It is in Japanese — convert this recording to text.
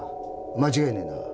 間違いねえな。